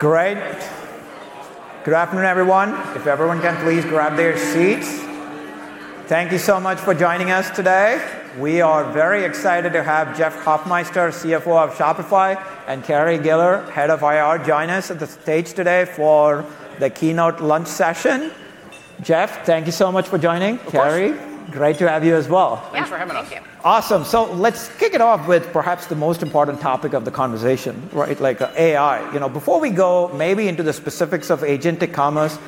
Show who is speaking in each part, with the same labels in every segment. Speaker 1: Great. Good afternoon, everyone. If everyone can please grab their seats. Thank you so much for joining us today. We are very excited to have Jeff Hoffmeister, CFO of Shopify, and Carrie Gillard, Head of IR, join us at the stage today for the keynote lunch session. Jeff, thank you so much for joining.
Speaker 2: Of course.
Speaker 1: Carrie, great to have you as well. Yeah.
Speaker 2: Thanks for having us.
Speaker 3: Thank you.
Speaker 1: Awesome. Let's kick it off with perhaps the most important topic of the conversation, right? Like, AI. You know, before we go maybe into the specifics of agentic commerce,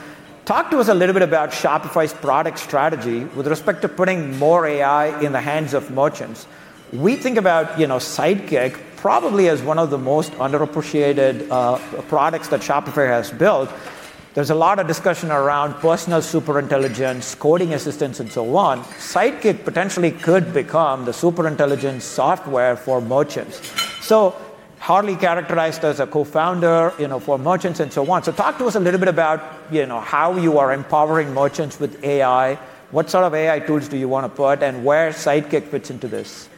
Speaker 1: talk to us a little bit about Shopify's product strategy with respect to putting more AI in the hands of merchants. We think about, you know, Sidekick probably as one of the most underappreciated, products that Shopify has built. There's a lot of discussion around personal super intelligence, coding assistance, and so on. Sidekick potentially could become the super intelligence software for merchants. Harley, characterized as a co-founder, you know, for merchants and so on. Talk to us a little bit about, you know, how you are empowering merchants with AI, what sort of AI tools do you wanna put, and where Sidekick fits into this.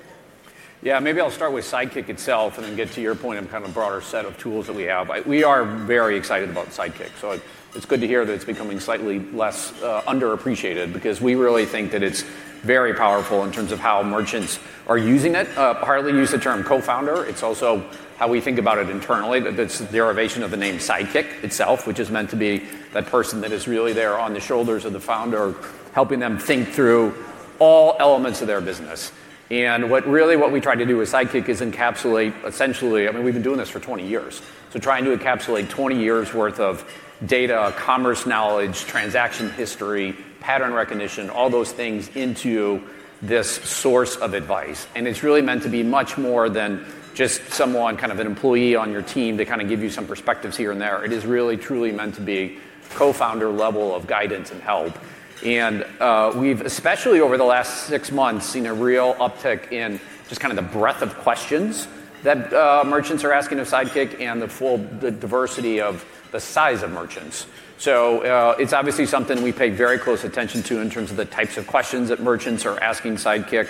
Speaker 2: Yeah. Maybe I'll start with Sidekick itself and then get to your point on kind of broader set of tools that we have. We are very excited about Sidekick, so it's good to hear that it's becoming slightly less underappreciated because we really think that it's very powerful in terms of how merchants are using it. Partly you used the term co-founder. It's also how we think about it internally, that's the derivation of the name Sidekick itself, which is meant to be that person that is really there on the shoulders of the founder, helping them think through all elements of their business. What we really try to do with Sidekick is encapsulate essentially. I mean, we've been doing this for 20 years, so trying to encapsulate 20 years' worth of data, commerce knowledge, transaction history, pattern recognition, all those things into this source of advice. It's really meant to be much more than just someone, kind of an employee on your team to kinda give you some perspectives here and there. It is really truly meant to be co-founder level of guidance and help. We've, especially over the last six months, seen a real uptick in just kinda the breadth of questions that merchants are asking of Sidekick and the full, the diversity of the size of merchants. It's obviously something we pay very close attention to in terms of the types of questions that merchants are asking Sidekick.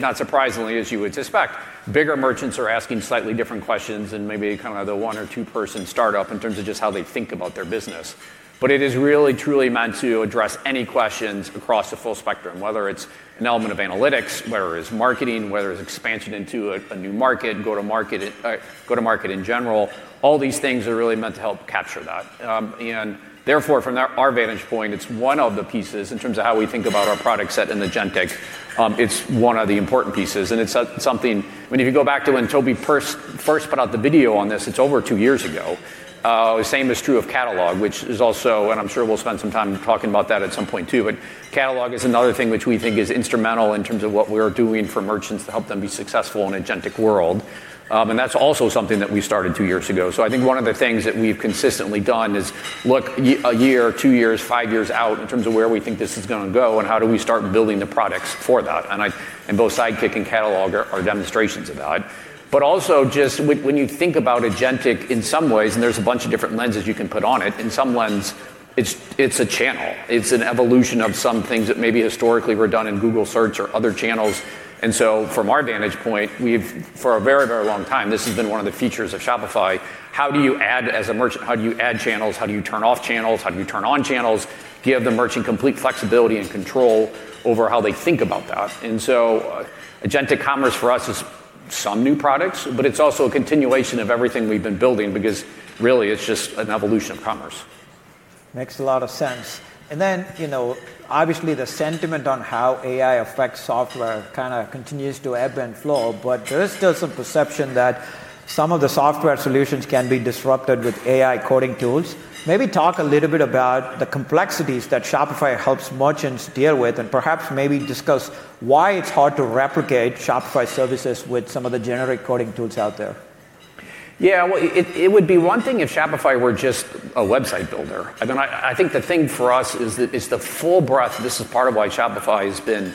Speaker 2: Not surprisingly, as you would suspect, bigger merchants are asking slightly different questions than maybe kinda the one or two-person startup in terms of just how they think about their business. It is really truly meant to address any questions across the full spectrum, whether it's an element of analytics, whether it's marketing, whether it's expansion into a new market, go-to-market in general. All these things are really meant to help capture that. Therefore, from our vantage point, it's one of the pieces in terms of how we think about our product set in agentic. It's one of the important pieces, and it's something. I mean, if you go back to when Toby first put out the video on this, it's over two years ago. Same is true of Catalog, which is also, and I'm sure we'll spend some time talking about that at some point too, but Catalog is another thing which we think is instrumental in terms of what we're doing for merchants to help them be successful in an agentic world. That's also something that we started two years ago. I think one of the things that we've consistently done is look a year, two years, five years out in terms of where we think this is gonna go and how do we start building the products for that. Both Sidekick and Catalog are demonstrations of that. Also just when you think about agentic in some ways, and there's a bunch of different lenses you can put on it, in some lens, it's a channel. It's an evolution of some things that maybe historically were done in Google Search or other channels. From our vantage point, we've for a very, very long time, this has been one of the features of Shopify, how do you add as a merchant, how do you add channels? How do you turn off channels? How do you turn on channels? Give the merchant complete flexibility and control over how they think about that. Agentic commerce for us is some new products, but it's also a continuation of everything we've been building because really it's just an evolution of commerce.
Speaker 1: Makes a lot of sense. You know, obviously the sentiment on how AI affects software kinda continues to ebb and flow, but there is still some perception that some of the software solutions can be disrupted with AI coding tools. Maybe talk a little bit about the complexities that Shopify helps merchants deal with, and perhaps maybe discuss why it's hard to replicate Shopify services with some of the generic coding tools out there.
Speaker 2: Yeah. Well, it would be one thing if Shopify were just a website builder. I mean, I think the thing for us is that it's the full breadth. This is part of why Shopify has been,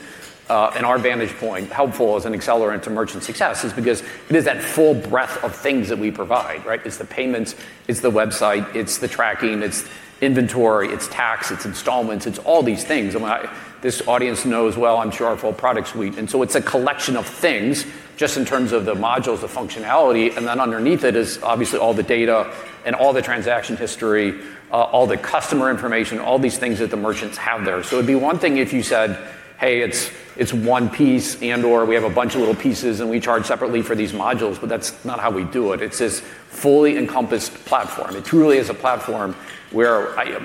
Speaker 2: in our vantage point, helpful as an accelerant to merchant success, is because it is that full breadth of things that we provide, right? It's the payments, it's the website, it's the tracking, it's inventory, it's tax, it's installments, it's all these things. I mean, this audience knows well, I'm sure, our full product suite. It's a collection of things just in terms of the modules, the functionality, and then underneath it is obviously all the data and all the transaction history, all the customer information, all these things that the merchants have there. It'd be one thing if you said, "Hey, it's one piece," and/or, "We have a bunch of little pieces, and we charge separately for these modules." That's not how we do it. It's this fully encompassed platform. It truly is a platform where I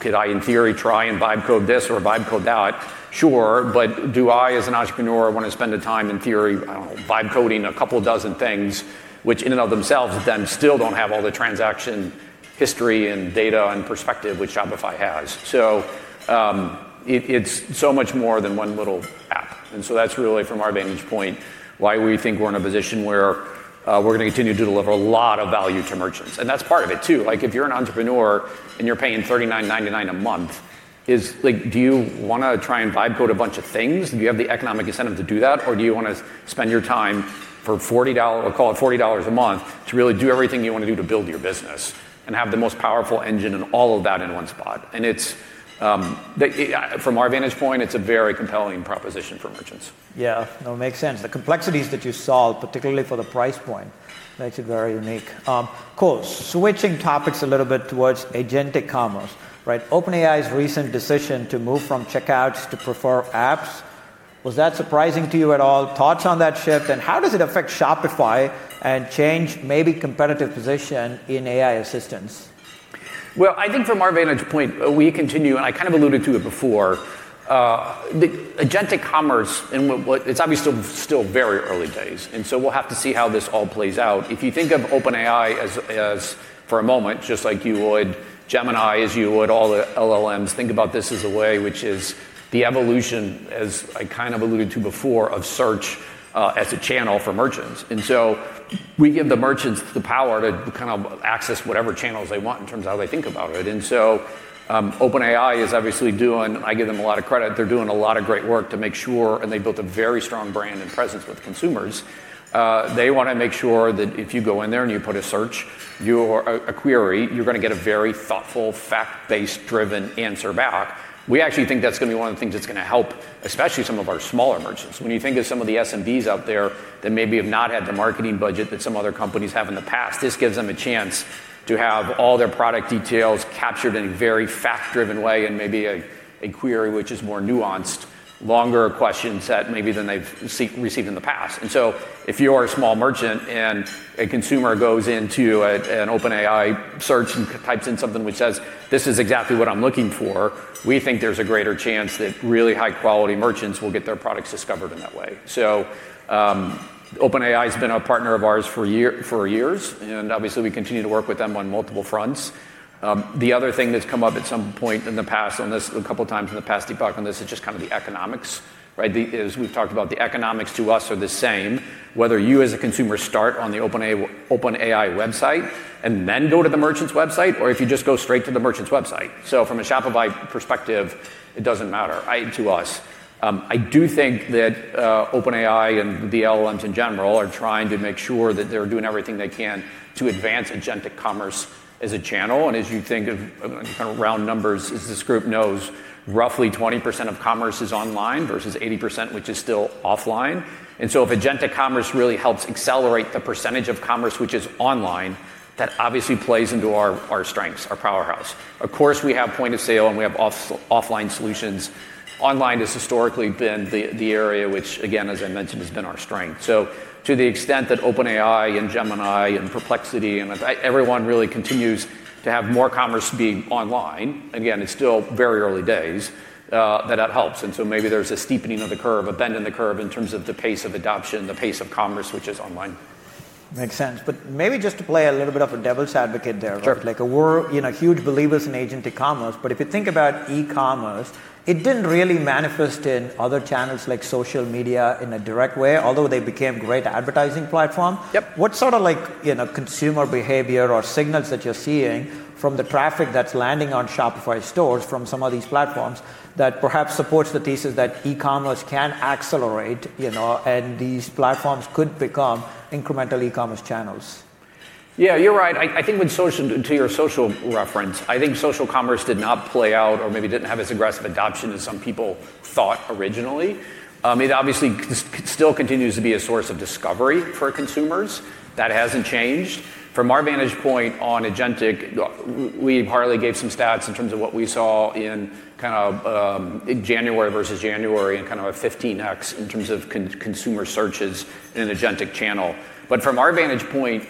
Speaker 2: could, in theory, try and write code this or write code that. Sure. Do I, as an entrepreneur, wanna spend the time in theory, I don't know, writing code a couple dozen things, which in and of themselves then still don't have all the transaction history and data and perspective which Shopify has. It's so much more than one little app. That's really from our vantage point why we think we're in a position where we're gonna continue to deliver a lot of value to merchants. That's part of it too. Like, if you're an entrepreneur and you're paying $39.99 a month, like, do you wanna try and write code a bunch of things? Do you have the economic incentive to do that? Or do you wanna spend your time for $40, or call it $40 a month, to really do everything you wanna do to build your business? Have the most powerful engine and all of that in one spot. It's the from our vantage point, it's a very compelling proposition for merchants.
Speaker 1: Yeah. No, it makes sense. The complexities that you solve, particularly for the price point, makes it very unique. Cool. Switching topics a little bit towards agentic commerce, right? OpenAI's recent decision to move from checkouts to prefer apps. Was that surprising to you at all? Thoughts on that shift, and how does it affect Shopify and change maybe competitive position in AI assistance?
Speaker 2: Well, I think from our vantage point, we continue, and I kind of alluded to it before, the agentic commerce. It's obviously still very early days, and we'll have to see how this all plays out. If you think of OpenAI as for a moment, just like you would Gemini, as you would all the LLMs, think about this as a way which is the evolution, as I kind of alluded to before, of search as a channel for merchants. We give the merchants the power to kind of access whatever channels they want in terms of how they think about it. OpenAI is obviously doing. I give them a lot of credit. They're doing a lot of great work to make sure, and they built a very strong brand and presence with consumers. They wanna make sure that if you go in there and you put a search or a query, you're gonna get a very thoughtful, fact-based driven answer back. We actually think that's gonna be one of the things that's gonna help, especially some of our smaller merchants. When you think of some of the SMBs out there that maybe have not had the marketing budget that some other companies have in the past, this gives them a chance to have all their product details captured in a very fact-driven way in maybe a query which is more nuanced, longer question set maybe than they've received in the past. If you're a small merchant and a consumer goes into an OpenAI search and types in something which says, "This is exactly what I'm looking for," we think there's a greater chance that really high-quality merchants will get their products discovered in that way. OpenAI has been a partner of ours for years, and obviously we continue to work with them on multiple fronts. The other thing that's come up at some point in the past on this, a couple times in the past, Deepak, on this is just kind of the economics, right? As we've talked about, the economics to us are the same, whether you as a consumer start on the OpenAI website and then go to the merchant's website, or if you just go straight to the merchant's website. From a Shopify perspective, it doesn't matter to us. I do think that OpenAI and the LLMs in general are trying to make sure that they're doing everything they can to advance agentic commerce as a channel. As you think of kind of round numbers, as this group knows, roughly 20% of commerce is online versus 80% which is still offline. If agentic commerce really helps accelerate the percentage of commerce which is online, that obviously plays into our strengths, our powerhouse. Of course, we have point-of-sale and we have offline solutions. Online has historically been the area which, again, as I mentioned, has been our strength. To the extent that OpenAI and Gemini and Perplexity and everyone really continues to have more commerce being online, again, it's still very early days, that helps. Maybe there's a steepening of the curve, a bend in the curve in terms of the pace of adoption, the pace of commerce, which is online.
Speaker 1: Makes sense. Maybe just to play a little bit of a devil's advocate there.
Speaker 2: Sure.
Speaker 1: Like we're, you know, huge believers in agentic commerce, but if you think about e-commerce, it didn't really manifest in other channels like social media in a direct way, although they became great advertising platform.
Speaker 2: Yep.
Speaker 1: What sort of like, you know, consumer behavior or signals that you're seeing from the traffic that's landing on Shopify stores from some of these platforms that perhaps supports the thesis that e-commerce can accelerate, you know, and these platforms could become incremental e-commerce channels?
Speaker 2: Yeah, you're right. To your social reference, I think social commerce did not play out or maybe didn't have as aggressive adoption as some people thought originally. It obviously still continues to be a source of discovery for consumers. That hasn't changed. From our vantage point on agentic, we partly gave some stats in terms of what we saw in kind of in January versus January in kind of a 15x in terms of consumer searches in an agentic channel. From our vantage point,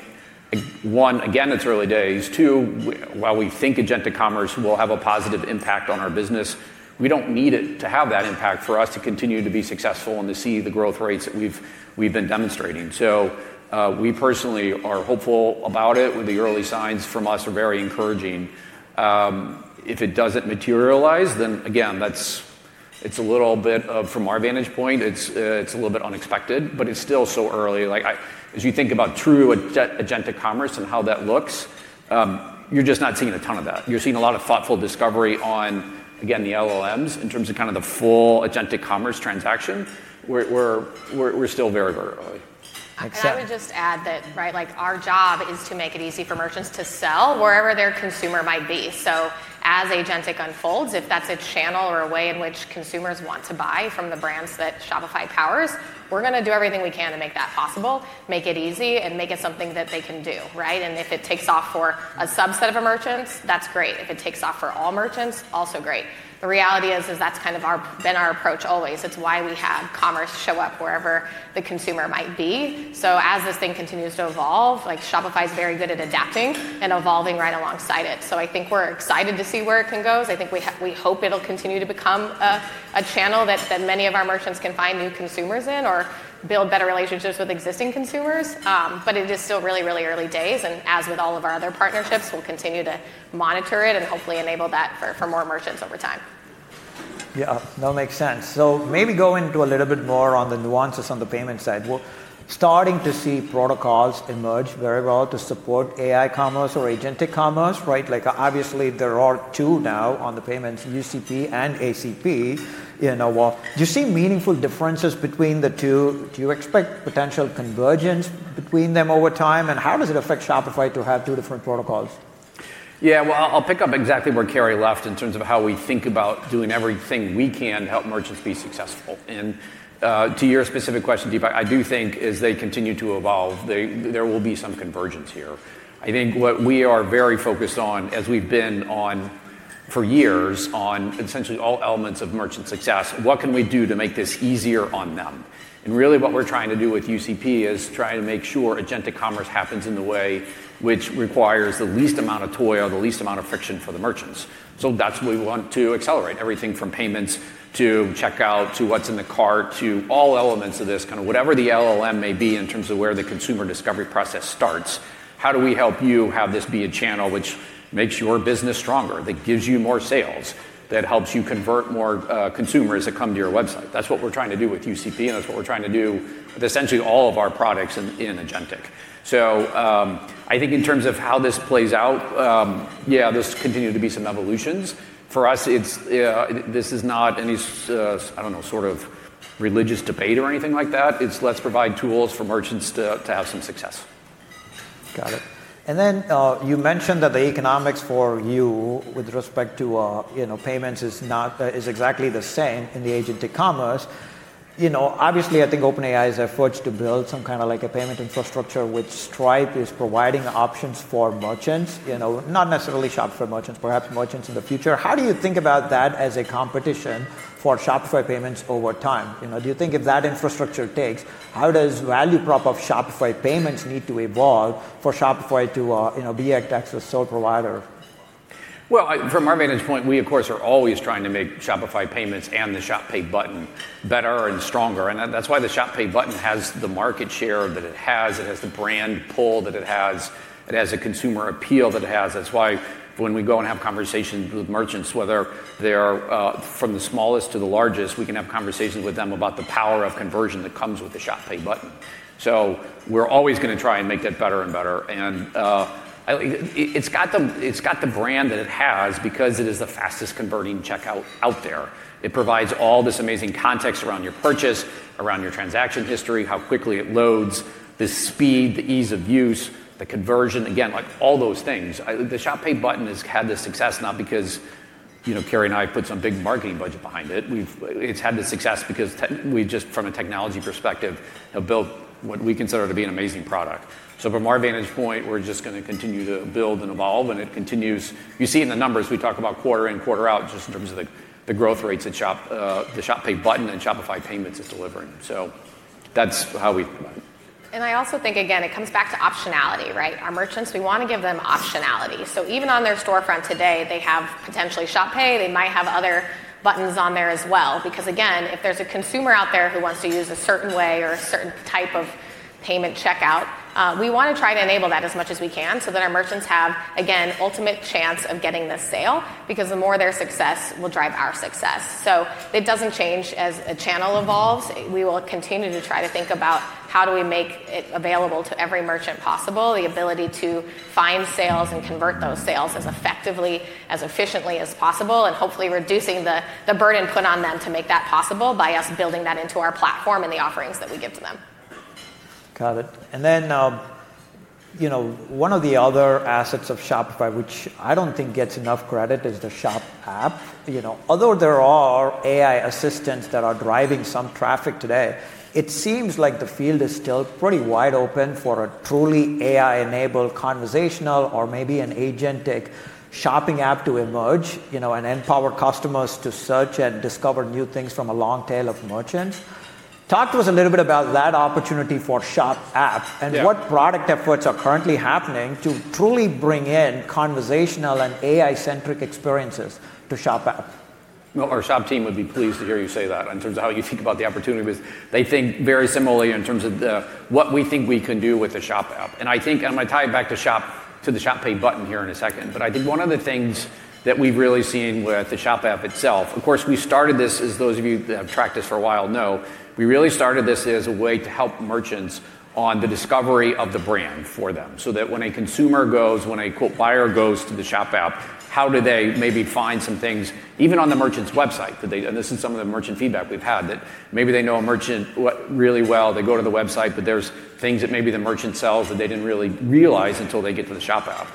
Speaker 2: one, again, it's early days. Two, while we think agentic commerce will have a positive impact on our business, we don't need it to have that impact for us to continue to be successful and to see the growth rates that we've been demonstrating. We personally are hopeful about it with the early signs from us are very encouraging. If it doesn't materialize, then again, that's, it's a little bit of, from our vantage point, it's a little bit unexpected, but it's still so early. Like, as you think about true agentic commerce and how that looks, you're just not seeing a ton of that. You're seeing a lot of thoughtful discovery on, again, the LLMs in terms of kind of the full agentic commerce transaction. We're still very early.
Speaker 1: Makes sense.
Speaker 3: I would just add that, right, like our job is to make it easy for merchants to sell wherever their consumer might be. As agentic unfolds, if that's a channel or a way in which consumers want to buy from the brands that Shopify powers, we're gonna do everything we can to make that possible, make it easy, and make it something that they can do, right? If it takes off for a subset of merchants, that's great. If it takes off for all merchants, also great. The reality is that's kind of been our approach always. It's why we have commerce show up wherever the consumer might be. As this thing continues to evolve, like Shopify is very good at adapting and evolving right alongside it. I think we're excited to see where it can go. I think we hope it'll continue to become a channel that many of our merchants can find new consumers in or build better relationships with existing consumers. But it is still really early days, and as with all of our other partnerships, we'll continue to monitor it and hopefully enable that for more merchants over time.
Speaker 1: Yeah. No, it makes sense. Maybe go into a little bit more on the nuances on the payment side. We're starting to see protocols emerge very well to support AI commerce or agentic commerce, right? Like obviously there are two now on the payments, UCP and ACP, you know. Well, do you see meaningful differences between the two? Do you expect potential convergence between them over time? How does it affect Shopify to have two different protocols?
Speaker 2: Well, I'll pick up exactly where Carrie left in terms of how we think about doing everything we can to help merchants be successful. To your specific question, Deepak, I do think as they continue to evolve, there will be some convergence here. I think what we are very focused on, as we've been on for years, on essentially all elements of merchant success, what can we do to make this easier on them? Really what we're trying to do with UCP is try to make sure agentic commerce happens in the way which requires the least amount of toil, the least amount of friction for the merchants. That's what we want to accelerate. Everything from payments to checkout, to what's in the cart, to all elements of this, kind of whatever the LLM may be in terms of where the consumer discovery process starts, how do we help you have this be a channel which makes your business stronger, that gives you more sales, that helps you convert more, consumers that come to your website? That's what we're trying to do with UCP, and that's what we're trying to do with essentially all of our products in agentic. I think in terms of how this plays out, yeah, there's continued to be some evolutions. For us, this is not any, I don't know, sort of religious debate or anything like that. It's let's provide tools for merchants to have some success.
Speaker 1: Got it. You mentioned that the economics for you with respect to, you know, payments is exactly the same in the agentic commerce. You know, obviously, I think OpenAI has efforts to build some kinda like a payment infrastructure, which Stripe is providing options for merchants, you know, not necessarily Shopify merchants, perhaps merchants in the future. How do you think about that as a competition for Shopify Payments over time? You know, do you think if that infrastructure takes, how does value prop of Shopify Payments need to evolve for Shopify to, you know, be a Texas sole provider?
Speaker 2: Well, from our vantage point, we of course are always trying to make Shopify Payments and the Shop Pay button better and stronger, and that's why the Shop Pay button has the market share that it has. It has the brand pull that it has. It has the consumer appeal that it has. That's why when we go and have conversations with merchants, whether they're from the smallest to the largest, we can have conversations with them about the power of conversion that comes with the Shop Pay button. We're always gonna try and make that better and better. It's got the brand that it has because it is the fastest converting checkout out there. It provides all this amazing context around your purchase, around your transaction history, how quickly it loads, the speed, the ease of use, the conversion. Again, like all those things. The Shop Pay button has had the success, not because, you know, Carrie and I put some big marketing budget behind it. It's had the success because we've just, from a technology perspective, have built what we consider to be an amazing product. From our vantage point, we're just gonna continue to build and evolve, and it continues. You see in the numbers, we talk about quarter in, quarter out, just in terms of the growth rates that the Shop Pay button and Shopify Payments is delivering. That's how we put it.
Speaker 3: I also think, again, it comes back to optionality, right? Our merchants, we wanna give them optionality. Even on their storefront today, they have potentially Shop Pay. They might have other buttons on there as well because again, if there's a consumer out there who wants to use a certain way or a certain type of payment checkout, we wanna try to enable that as much as we can so that our merchants have, again, ultimate chance of getting the sale because the more their success will drive our success. It doesn't change as a channel evolves. We will continue to try to think about how do we make it available to every merchant possible, the ability to find sales and convert those sales as effectively, as efficiently as possible, and hopefully reducing the burden put on them to make that possible by us building that into our platform and the offerings that we give to them.
Speaker 1: Got it. You know, one of the other assets of Shopify, which I don't think gets enough credit is the Shop app. You know, although there are AI assistants that are driving some traffic today, it seems like the field is still pretty wide open for a truly AI-enabled conversational or maybe an agentic shopping app to emerge, you know, and empower customers to search and discover new things from a long tail of merchants. Talk to us a little bit about that opportunity for Shop app.
Speaker 2: Yeah.
Speaker 1: What product efforts are currently happening to truly bring in conversational and AI-centric experiences to Shop app?
Speaker 2: Well, our Shop team would be pleased to hear you say that in terms of how you think about the opportunity because they think very similarly in terms of what we think we can do with the Shop app. I think I'm gonna tie it back to the Shop Pay button here in a second. I think one of the things that we've really seen with the Shop app itself, of course, we started this, as those of you that have tracked us for a while know, we really started this as a way to help merchants on the discovery of the brand for them. That when a consumer goes, when a quote buyer goes to the Shop app, how do they maybe find some things even on the merchant's website that they. This is some of the merchant feedback we've had, that maybe they know a merchant really well, they go to the website, but there's things that maybe the merchant sells that they didn't really realize until they get to the Shop app.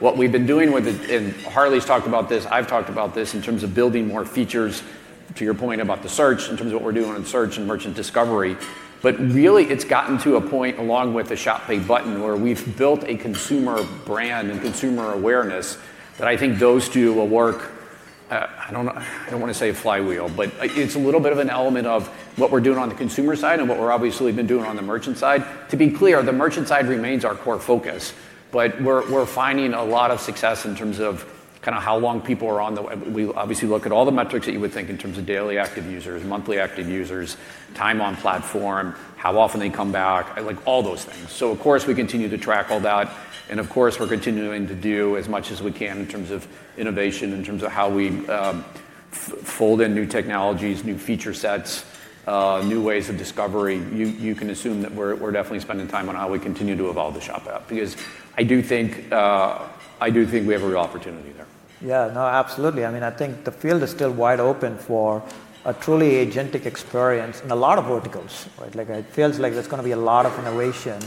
Speaker 2: What we've been doing with it, and Harley's talked about this, I've talked about this in terms of building more features, to your point about the search, in terms of what we're doing on search and merchant discovery. Really it's gotten to a point along with the Shop Pay button where we've built a consumer brand and consumer awareness that I think those two will work. I don't wanna say a flywheel, but it's a little bit of an element of what we're doing on the consumer side and what we've obviously been doing on the merchant side. To be clear, the merchant side remains our core focus, but we're finding a lot of success in terms of kinda how long people are on the web. We obviously look at all the metrics that you would think in terms of daily active users, monthly active users, time on platform, how often they come back, like all those things. Of course, we continue to track all that, and of course, we're continuing to do as much as we can in terms of innovation, in terms of how we fold in new technologies, new feature sets, new ways of discovery. You can assume that we're definitely spending time on how we continue to evolve the Shop app because I do think we have a real opportunity there.
Speaker 1: Yeah, no, absolutely. I mean, I think the field is still wide open for a truly agentic experience in a lot of verticals, right? Like it feels like there's gonna be a lot of innovation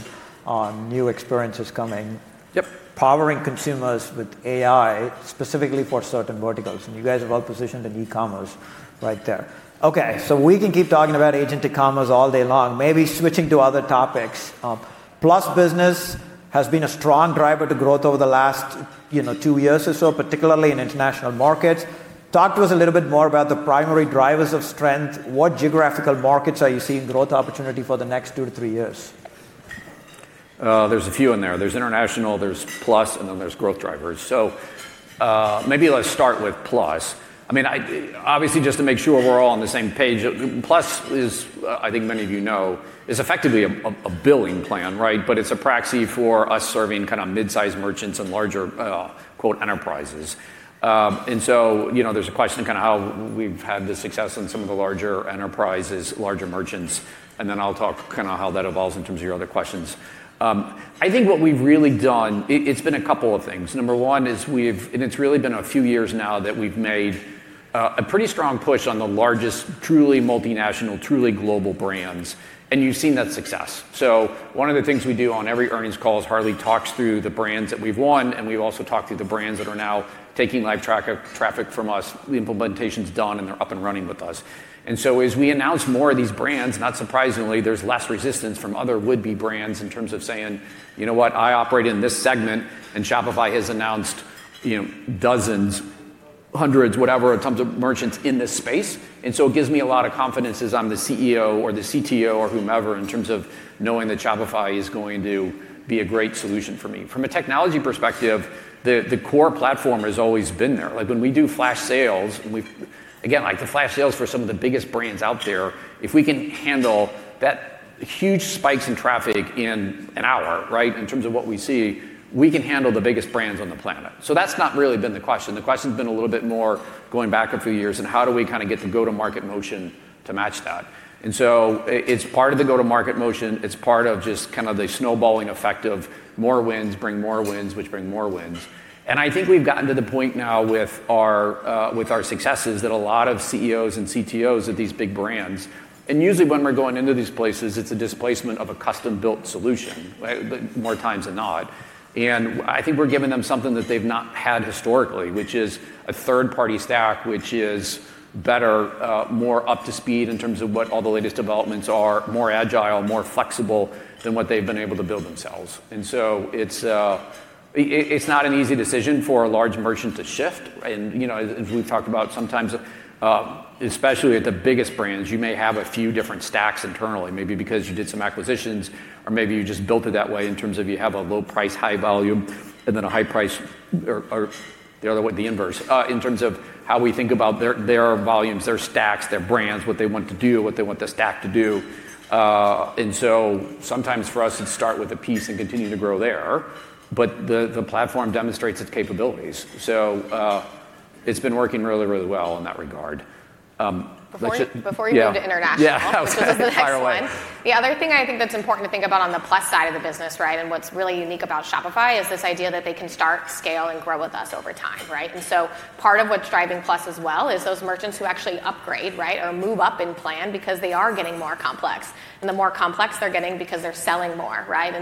Speaker 1: on new experiences coming.
Speaker 2: Yep
Speaker 1: powering consumers with AI specifically for certain verticals, and you guys are well-positioned in e-commerce right there. Okay. We can keep talking about agentic commerce all day long, maybe switching to other topics. Shopify Plus business has been a strong driver to growth over the last, you know, two years or so, particularly in international markets. Talk to us a little bit more about the primary drivers of strength. What geographical markets are you seeing growth opportunity for the next two to three years?
Speaker 2: There's a few in there. There's international, there's Plus, and then there's growth drivers. Maybe let's start with Plus. I mean, obviously just to make sure we're all on the same page, Plus is, I think many of you know, is effectively a billing plan, right? But it's a proxy for us serving kinda mid-sized merchants and larger, quote, "enterprises." You know, there's a question kinda how we've had the success in some of the larger enterprises, larger merchants, and then I'll talk kinda how that evolves in terms of your other questions. I think what we've really done, it's been a couple of things. Number one is. It's really been a few years now that we've made a pretty strong push on the largest, truly multinational, truly global brands, and you've seen that success. One of the things we do on every earnings call is Harley talks through the brands that we've won, and we've also talked through the brands that are now taking live traffic from us. The implementation's done, and they're up and running with us. As we announce more of these brands, not surprisingly, there's less resistance from other would-be brands in terms of saying, "You know what? I operate in this segment, and Shopify has announced, you know, dozens, hundreds, whatever, in terms of merchants in this space. And so it gives me a lot of confidence as I'm the CEO or the CTO or whomever in terms of knowing that Shopify is going to be a great solution for me." From a technology perspective, the core platform has always been there. Like, when we do flash sales, again, like the flash sales for some of the biggest brands out there, if we can handle that huge spikes in traffic in an hour, right, in terms of what we see, we can handle the biggest brands on the planet. That's not really been the question. The question's been a little bit more going back a few years and how do we kinda get the go-to-market motion to match that. It's part of the go-to-market motion. It's part of just kind of the snowballing effect of more wins bring more wins, which bring more wins. I think we've gotten to the point now with our successes that a lot of CEOs and CTOs of these big brands, and usually when we're going into these places, it's a displacement of a custom-built solution, right? More times than not. I think we're giving them something that they've not had historically, which is a third-party stack, which is better, more up to speed in terms of what all the latest developments are, more agile, more flexible than what they've been able to build themselves. It's not an easy decision for a large merchant to shift, right? You know, as we've talked about sometimes, especially at the biggest brands, you may have a few different stacks internally, maybe because you did some acquisitions or maybe you just built it that way in terms of you have a low price, high volume and then a high price or the other way, the inverse. In terms of how we think about their volumes, their stacks, their brands, what they want to do, what they want the stack to do. Sometimes for us, it's to start with a piece and continue to grow there. The platform demonstrates its capabilities. It's been working really well in that regard. Let's just-
Speaker 3: Before you move to international.
Speaker 2: Yeah. Fire away.
Speaker 3: Which is the next one. The other thing I think that's important to think about on the Plus side of the business, right, and what's really unique about Shopify is this idea that they can start, scale, and grow with us over time, right? Part of what's driving Plus as well is those merchants who actually upgrade, right, or move up in plan because they are getting more complex. The more complex they're getting because they're selling more, right?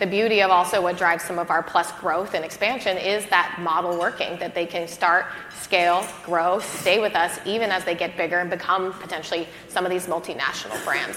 Speaker 3: The beauty of also what drives some of our Plus growth and expansion is that model working, that they can start, scale, grow, stay with us even as they get bigger and become potentially some of these multinational brands.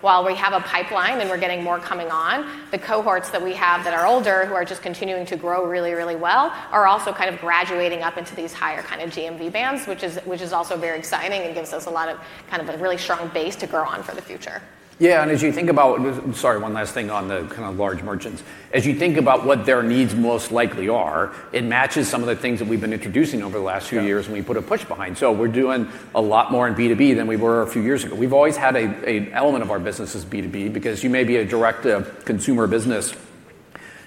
Speaker 3: While we have a pipeline and we're getting more coming on, the cohorts that we have that are older who are just continuing to grow really, really well are also kind of graduating up into these higher kind of GMV bands, which is also very exciting and gives us a lot of kind of a really strong base to grow on for the future.
Speaker 2: Sorry, one last thing on the kinda large merchants. As you think about what their needs most likely are, it matches some of the things that we've been introducing over the last few years.
Speaker 1: Yeah
Speaker 2: We put a push behind. We're doing a lot more in B2B than we were a few years ago. We've always had a element of our business as B2B because you may be a direct consumer business,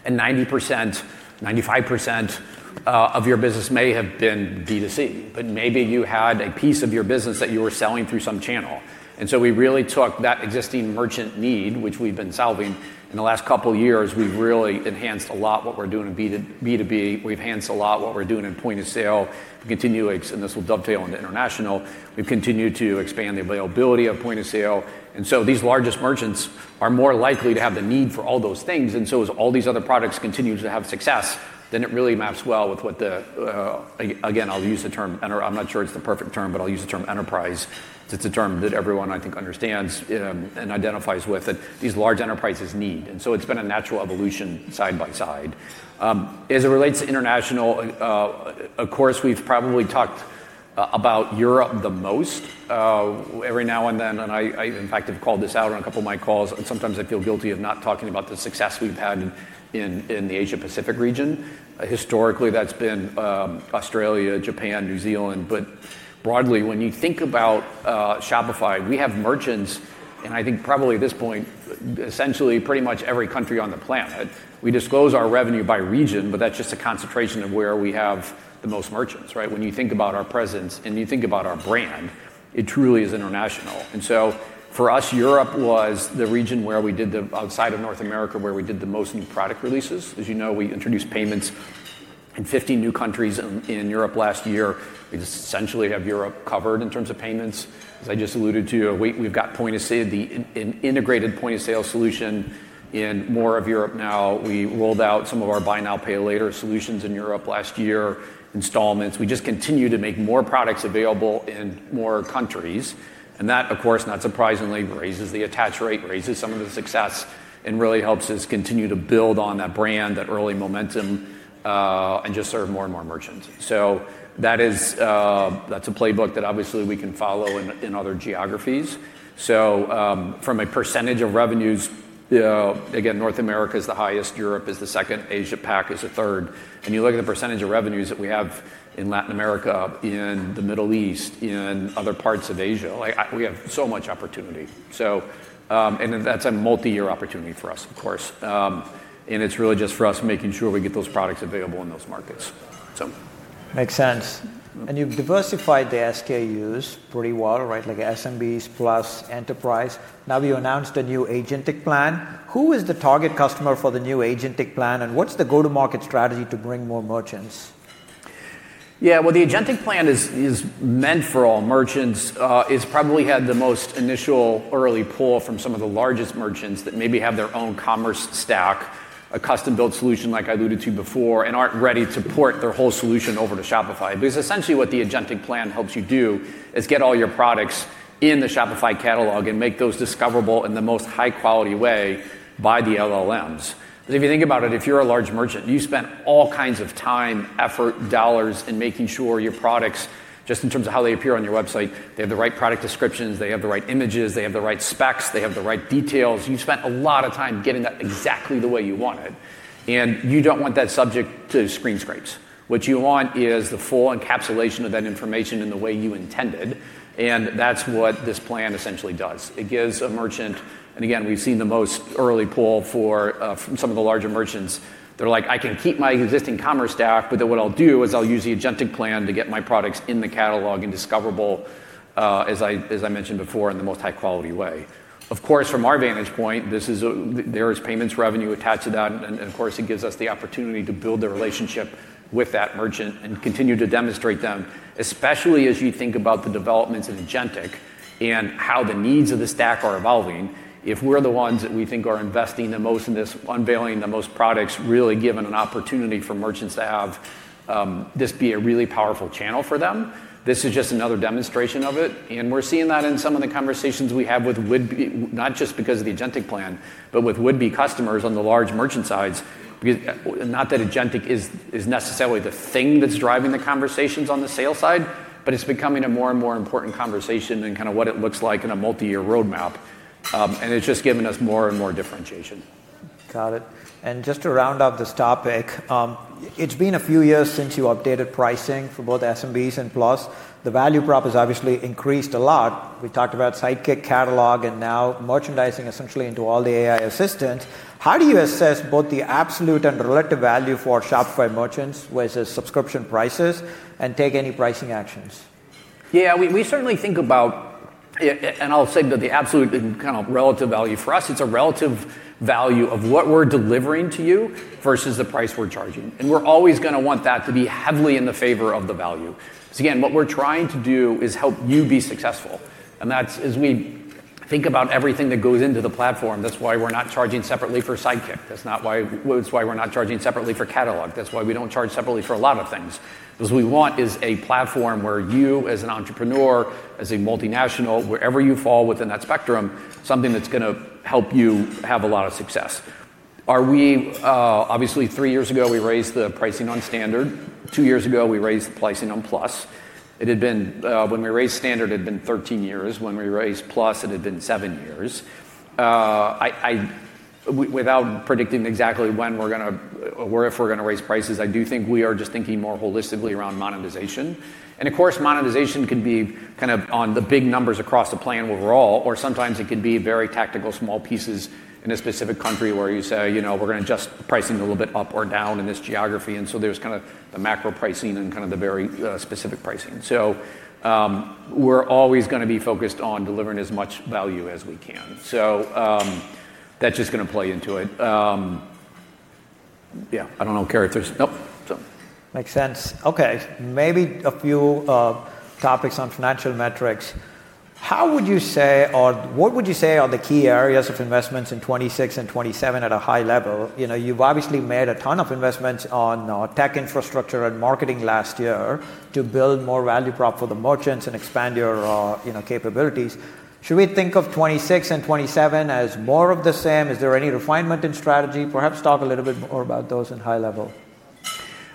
Speaker 2: and 90%, 95% of your business may have been D2C, but maybe you had a piece of your business that you were selling through some channel. We really took that existing merchant need, which we've been solving. In the last couple of years, we've really enhanced a lot what we're doing in B2B. We've enhanced a lot what we're doing in point of sale. We continue, and this will dovetail into international. We've continued to expand the availability of point of sale, and these largest merchants are more likely to have the need for all those things. As all these other products continue to have success, then it really maps well with what the again, I'll use the term enterprise. I'm not sure it's the perfect term, but I'll use the term enterprise, 'cause it's a term that everyone I think understands and identifies with, that these large enterprises need. It's been a natural evolution side by side. As it relates to international, of course, we've probably talked about Europe the most, every now and then, and I in fact have called this out on a couple of my calls, and sometimes I feel guilty of not talking about the success we've had in the Asia Pacific region. Historically, that's been Australia, Japan, New Zealand. Broadly, when you think about Shopify, we have merchants in I think probably at this point, essentially pretty much every country on the planet. We disclose our revenue by region, but that's just a concentration of where we have the most merchants, right? When you think about our presence and you think about our brand, it truly is international. For us, Europe was the region where we did the outside of North America, where we did the most new product releases. As you know, we introduced payments in 50 new countries in Europe last year, we essentially have Europe covered in terms of payments. As I just alluded to, we've got point of sale, an integrated point of sale solution in more of Europe now. We rolled out some of our buy now, pay later solutions in Europe last year, installments. We just continue to make more products available in more countries. That, of course, not surprisingly, raises the attach rate, raises some of the success, and really helps us continue to build on that brand, that early momentum, and just serve more and more merchants. That's a playbook that obviously we can follow in other geographies. From a percentage of revenues, you know, again, North America is the highest, Europe is the second, Asia Pac is the third. You look at the percentage of revenues that we have in Latin America, in the Middle East, in other parts of Asia, we have so much opportunity. That's a multi-year opportunity for us, of course. It's really just for us making sure we get those products available in those markets.
Speaker 1: Makes sense. You've diversified the SKUs pretty well, right? Like SMBs plus enterprise. Now you announced a new Agentic plan. Who is the target customer for the new Agentic plan, and what's the go-to-market strategy to bring more merchants?
Speaker 2: Yeah. Well, the Agentic Plan is meant for all merchants. It's probably had the most initial early pull from some of the largest merchants that maybe have their own commerce stack, a custom-built solution like I alluded to before, and aren't ready to port their whole solution over to Shopify. Because essentially what the Agentic Plan helps you do is get all your products in the Shopify Catalog and make those discoverable in the most high-quality way by the LLMs. 'Cause if you think about it, if you're a large merchant and you spent all kinds of time, effort, dollars in making sure your products, just in terms of how they appear on your website, they have the right product descriptions, they have the right images, they have the right specs, they have the right details. You spent a lot of time getting that exactly the way you wanted, and you don't want that subject to screen scrapes. What you want is the full encapsulation of that information in the way you intended, and that's what this plan essentially does. It gives a merchant. Again, we've seen the earliest pull from some of the larger merchants. They're like, "I can keep my existing commerce stack, but then what I'll do is I'll use the Agentic plan to get my products in the Catalog and discoverable, as I mentioned before, in the most high-quality way." Of course, from our vantage point, there is payments revenue attached to that, and of course, it gives us the opportunity to build the relationship with that merchant and continue to demonstrate them. Especially as you think about the developments in agentic and how the needs of the stack are evolving, if we're the ones that we think are investing the most in this, unveiling the most products, really giving an opportunity for merchants to have this be a really powerful channel for them, this is just another demonstration of it. We're seeing that in some of the conversations we have with would-be, not just because of the Agentic plan, but with would-be customers on the large merchant sides. Because not that agentic is necessarily the thing that's driving the conversations on the sales side, but it's becoming a more and more important conversation in kinda what it looks like in a multi-year roadmap. It's just given us more and more differentiation.
Speaker 1: Got it. Just to round out this topic, it's been a few years since you updated pricing for both SMBs and Plus. The value prop has obviously increased a lot. We talked about Sidekick, Catalog, and now merchandising essentially into all the AI assistants. How do you assess both the absolute and relative value for Shopify merchants versus subscription prices and take any pricing actions?
Speaker 2: Yeah. We certainly think about, and I'll say that the absolute and kind of relative value. For us, it's a relative value of what we're delivering to you versus the price we're charging, and we're always gonna want that to be heavily in the favor of the value. So again, what we're trying to do is help you be successful, and that's as we think about everything that goes into the platform. That's why we're not charging separately for Sidekick. That's not why, well, it's why we're not charging separately for Catalog. That's why we don't charge separately for a lot of things. 'Cause what we want is a platform where you as an entrepreneur, as a multinational, wherever you fall within that spectrum, something that's gonna help you have a lot of success. Obviously, three years ago, we raised the pricing on Standard. Two years ago, we raised the pricing on Plus. It had been when we raised Standard, it had been 13 years. When we raised Plus, it had been seven years. Without predicting exactly when we're gonna or if we're gonna raise prices, I do think we are just thinking more holistically around monetization. Of course, monetization can be kind of on the big numbers across the plan overall, or sometimes it can be very tactical small pieces in a specific country where you say, you know, we're gonna adjust pricing a little bit up or down in this geography. There's kinda the macro pricing and kind of the very specific pricing. We're always gonna be focused on delivering as much value as we can. That's just gonna play into it. Yeah, I don't know, Carrie, if there's. Nope.
Speaker 1: Makes sense. Okay. Maybe a few topics on financial metrics. How would you say or what would you say are the key areas of investments in 2026 and 2027 at a high level? You know, you've obviously made a ton of investments on tech infrastructure and marketing last year to build more value prop for the merchants and expand your, you know, capabilities. Should we think of 2026 and 2027 as more of the same? Is there any refinement in strategy? Perhaps talk a little bit more about those in high level.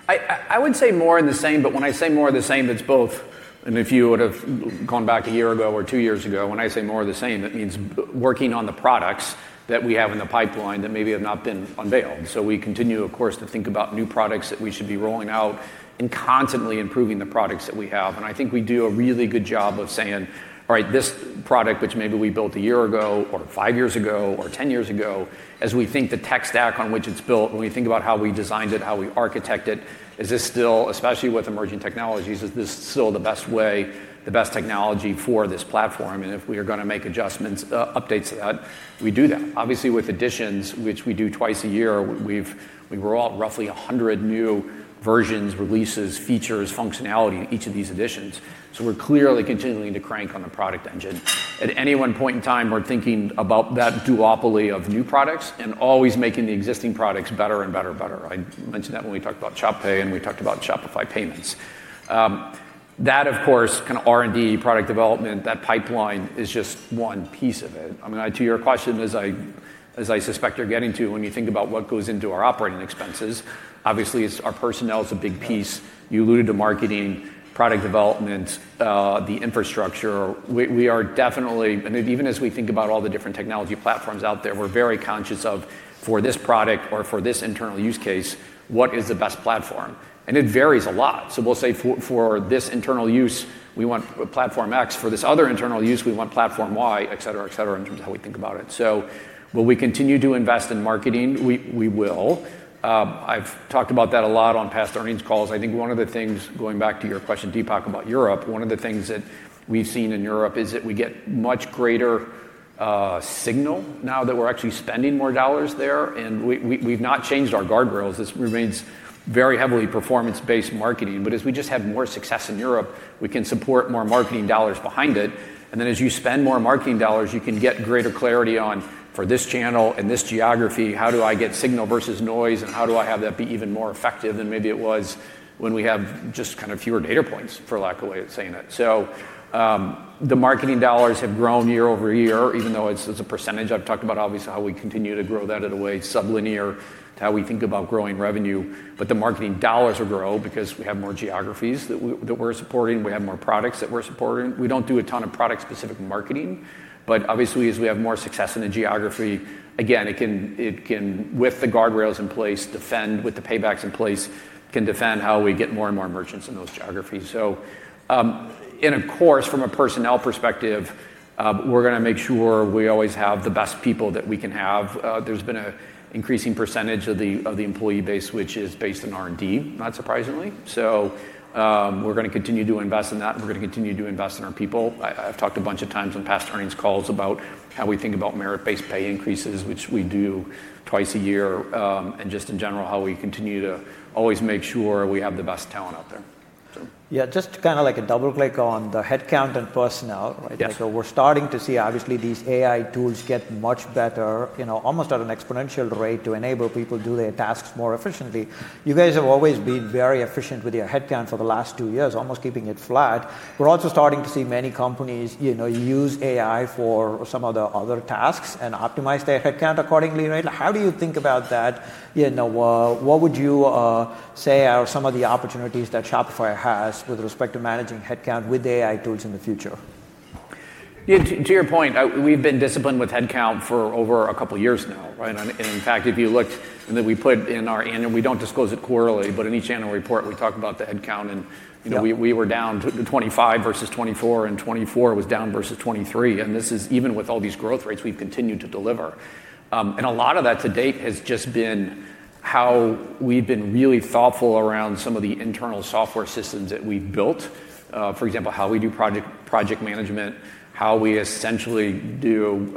Speaker 2: I would say more of the same, but when I say more of the same, that's both. If you would've gone back a year ago or two years ago, when I say more of the same, that means working on the products that we have in the pipeline that maybe have not been unveiled. We continue, of course, to think about new products that we should be rolling out and constantly improving the products that we have. I think we do a really good job of saying, "All right. This product, which maybe we built a year ago or five years ago or 10 years ago, as we think the tech stack on which it's built, when we think about how we designed it, how we architect it, is this still, especially with emerging technologies, is this still the best way, the best technology for this platform? If we are gonna make adjustments, updates to that, we do that. Obviously, with Editions, which we do twice a year, we roll out roughly 100 new versions, releases, features, functionality in each of these Editions. We're clearly continuing to crank on the product engine. At any one point in time, we're thinking about that duopoly of new products and always making the existing products better and better and better. I mentioned that when we talked about Shop Pay and we talked about Shopify Payments. That of course can R&D product development, that pipeline is just one piece of it. I mean, to your question as I suspect you're getting to when you think about what goes into our operating expenses, obviously it's our personnel is a big piece. You alluded to marketing, product development, the infrastructure. We are definitely, and even as we think about all the different technology platforms out there, we're very conscious of, for this product or for this internal use case, what is the best platform? It varies a lot. We'll say for this internal use, we want Platform X, for this other internal use, we want platform Y, et cetera, et cetera, in terms of how we think about it. Will we continue to invest in marketing? We will. I've talked about that a lot on past earnings calls. I think one of the things, going back to your question, Deepak, about Europe, one of the things that we've seen in Europe is that we get much greater signal now that we're actually spending more dollars there, and we've not changed our guardrails. This remains very heavily performance-based marketing. As we just had more success in Europe, we can support more marketing dollars behind it, and then as you spend more marketing dollars, you can get greater clarity on, for this channel and this geography, how do I get signal versus noise, and how do I have that be even more effective than maybe it was when we have just kind of fewer data points, for lack of a way of saying it. The marketing dollars have grown year-over-year, even though it's a percentage. I've talked about obviously how we continue to grow that in a way it's sublinear to how we think about growing revenue. The marketing dollars will grow because we have more geographies that we're supporting, we have more products that we're supporting. We don't do a ton of product specific marketing. Obviously, as we have more success in a geography, again, it can with the guardrails in place, defend with the paybacks in place, can defend how we get more and more merchants in those geographies. Of course, from a personnel perspective, we're gonna make sure we always have the best people that we can have. There's been an increasing percentage of the employee base, which is based in R&D, not surprisingly. We're gonna continue to invest in that, and we're gonna continue to invest in our people. I've talked a bunch of times on past earnings calls about how we think about merit-based pay increases, which we do twice a year, and just in general, how we continue to always make sure we have the best talent out there.
Speaker 1: Yeah. Just kinda like a double click on the headcount and personnel.
Speaker 2: Yeah.
Speaker 1: We're starting to see obviously these AI tools get much better, you know, almost at an exponential rate to enable people do their tasks more efficiently. You guys have always been very efficient with your headcount for the last two years, almost keeping it flat. We're also starting to see many companies, you know, use AI for some of the other tasks and optimize their headcount accordingly, right? How do you think about that? You know, what would you say are some of the opportunities that Shopify has with respect to managing headcount with AI tools in the future?
Speaker 2: Yeah. To your point, we've been disciplined with headcount for over a couple years now, right? In fact, if you looked at what we put in our annual, we don't disclose it quarterly, but in each annual report, we talk about the headcount and-
Speaker 1: Yeah...
Speaker 2: you know, we were down to 25% versus 24%, and 24% was down versus 23%. This is even with all these growth rates we've continued to deliver. A lot of that to date has just been how we've been really thoughtful around some of the internal software systems that we've built. For example, how we do project management, how we essentially do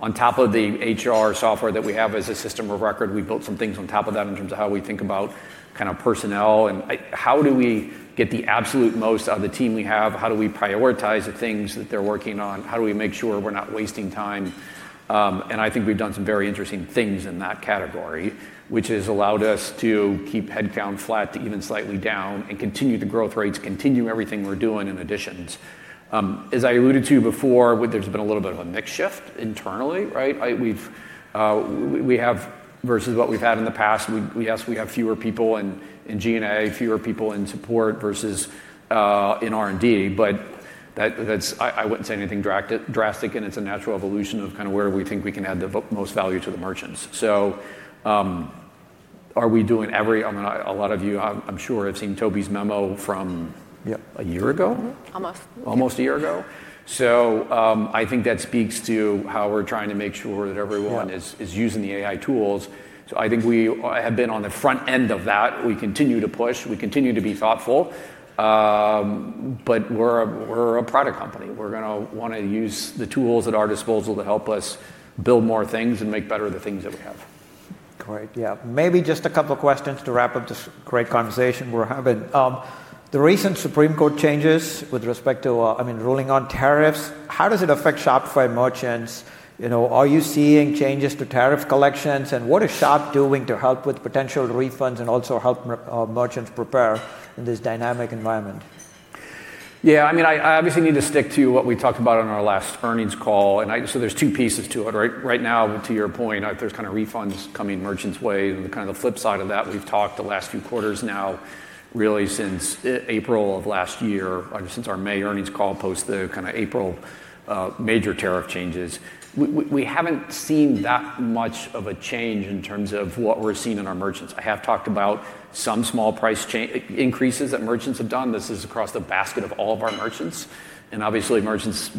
Speaker 2: on top of the HR software that we have as a system of record, we built some things on top of that in terms of how we think about kinda personnel and how do we get the absolute most out of the team we have? How do we prioritize the things that they're working on? How do we make sure we're not wasting time? I think we've done some very interesting things in that category, which has allowed us to keep headcount flat to even slightly down and continue the growth rates, continue everything we're doing and additions. As I alluded to before, there's been a little bit of a mix shift internally, right? We have versus what we've had in the past, yes, we have fewer people in G&A, fewer people in support versus in R&D. That's. I wouldn't say anything drastic, and it's a natural evolution of kinda where we think we can add the most value to the merchants. Are we doing everything? I mean, a lot of you, I'm sure, have seen Toby's memo from-
Speaker 1: Yep
Speaker 2: a year ago.
Speaker 3: Mm-hmm. Almost.
Speaker 2: Almost a year ago.
Speaker 1: Yeah.
Speaker 2: I think that speaks to how we're trying to make sure that everyone.
Speaker 1: Yeah
Speaker 2: is using the AI tools. I think we have been on the front end of that. We continue to push, we continue to be thoughtful, but we're a product company. We're gonna wanna use the tools at our disposal to help us build more things and make better the things that we have.
Speaker 1: Great. Yeah. Maybe just a couple of questions to wrap up this great conversation we're having. The recent Supreme Court changes with respect to, I mean, ruling on tariffs, how does it affect Shopify merchants? You know, are you seeing changes to tariff collections? What is Shop doing to help with potential refunds and also help merchants prepare in this dynamic environment?
Speaker 2: Yeah, I mean, I obviously need to stick to what we talked about on our last earnings call, and so there's two pieces to it, right? Right now, to your point, there's kinda refunds coming merchants' way, and the kinda flip side of that, we've talked the last few quarters now, really since April of last year, since our May earnings call, post the kinda April major tariff changes. We haven't seen that much of a change in terms of what we're seeing in our merchants. I have talked about some small price increases that merchants have done. This is across the basket of all of our merchants. Obviously, merchants,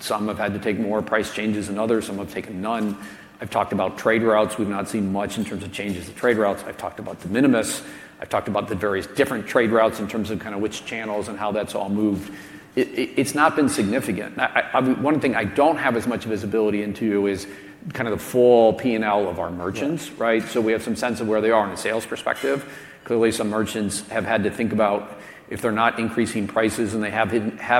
Speaker 2: some have had to take more price changes than others, some have taken none. I've talked about trade routes. We've not seen much in terms of changes to trade routes. I've talked about de minimis. I've talked about the various different trade routes in terms of kinda which channels and how that's all moved. It's not been significant. One thing I don't have as much visibility into is kinda the full P&L of our merchants.
Speaker 1: Yeah.
Speaker 2: Right? We have some sense of where they are in a sales perspective. Clearly, some merchants have had to think about if they're not increasing prices and they have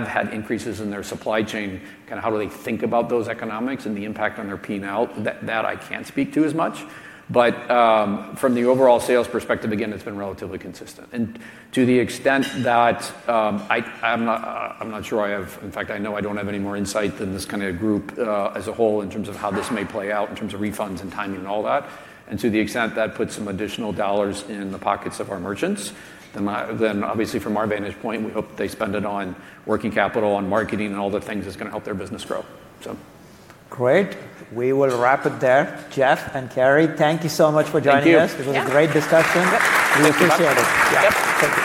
Speaker 2: had increases in their supply chain, kinda how do they think about those economics and the impact on their P&L. That I can't speak to as much. From the overall sales perspective, again, it's been relatively consistent. To the extent that, I'm not sure I have—in fact, I know I don't have any more insight than this kinda group as a whole in terms of how this may play out in terms of refunds and timing and all that. To the extent that puts some additional dollars in the pockets of our merchants, then obviously from our vantage point, we hope they spend it on working capital, on marketing, and all the things that's gonna help their business grow.
Speaker 1: Great. We will wrap it there. Jeff and Carrie, thank you so much for joining us.
Speaker 2: Thank you.
Speaker 3: Yeah.
Speaker 1: It was a great discussion. Yeah. We appreciate it.
Speaker 2: Yeah.
Speaker 1: Thank you.